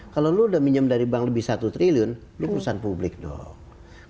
kalau lu udah minjem dari bank lebih dari satu triliun lu perusahaan publik dong